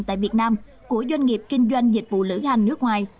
tại việt nam của doanh nghiệp kinh doanh dịch vụ lữ hành nước ngoài